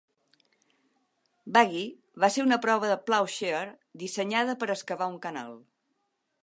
Buggy va ser una prova de Plowshare dissenyada per excavar un canal.